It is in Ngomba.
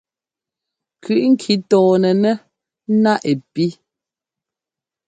Kʉi ŋki tɔnɛnɛ́ ná ɛ pí.